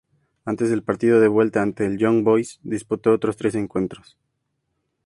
Antes del partido de vuelta ante el Young Boys, disputó otros tres encuentros.